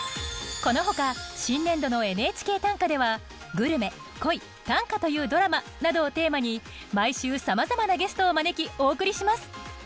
このほか新年度の「ＮＨＫ短歌」では「グルメ」「恋」「短歌というドラマ」などをテーマに毎週さまざまなゲストを招きお送りします。